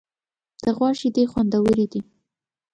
د غوا شیدې خوندورې دي.